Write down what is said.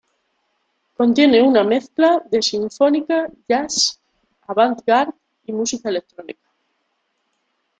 Contiene una mezcla de sinfónica, jazz, avant garde y música electrónica.